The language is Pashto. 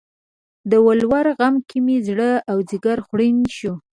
د ولور غم کې مې زړه او ځیګر خوړین شو